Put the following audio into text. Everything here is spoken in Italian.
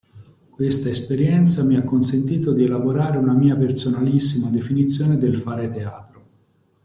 Questa esperienza mi ha consentito di elaborare una mia personalissima definizione del fare teatro.